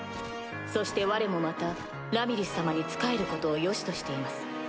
そしてわれもまたラミリス様に仕えることをよしとしています。